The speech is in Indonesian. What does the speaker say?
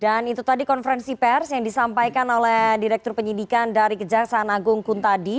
dan itu tadi konferensi pers yang disampaikan oleh direktur penyidikan dari kejaksaan agung kuntadi